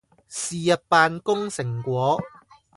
是日扮工成果